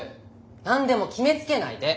何でも決めつけないで！